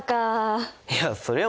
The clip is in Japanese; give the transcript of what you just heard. いやそりゃ